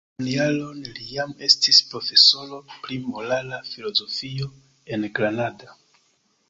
Postan jaron li jam estis profesoro pri morala filozofio en Granada.